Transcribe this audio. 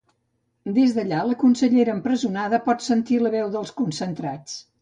Des d’allà la consellera empresonada pot sentir la veu dels concentrats.